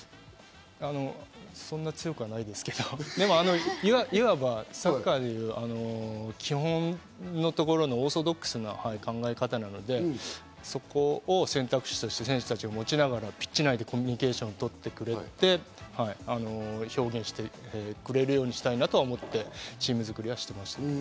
そんな強くはないですけど、いわばサッカーで言う基本のところのオーソドックスな考え方なので、そこを選択肢として選手たちが持ちながらピッチ内でコミュニケーションを取ってくれて表現してくれるようにしたいなとは思って、チーム作りはしてきました。